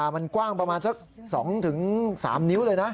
มันกว้างประมาณสัก๒๓นิ้วเลยนะ